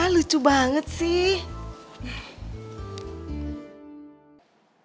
lucu banget sih